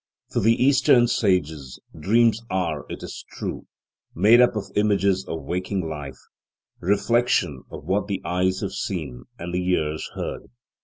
For the Eastern sages, dreams are, it is true, made up of images of waking life, reflections of what the eyes have seen and the ears heard.